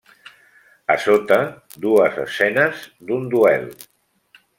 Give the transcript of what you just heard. A sota, dues escenes d'un duel.